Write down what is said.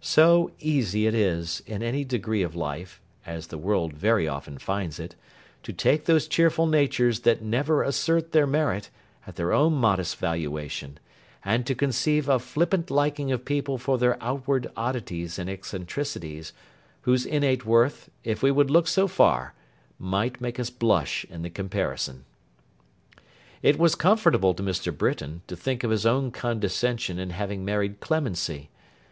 So easy it is, in any degree of life (as the world very often finds it), to take those cheerful natures that never assert their merit, at their own modest valuation; and to conceive a flippant liking of people for their outward oddities and eccentricities, whose innate worth, if we would look so far, might make us blush in the comparison! It was comfortable to Mr. Britain, to think of his own condescension in having married Clemency.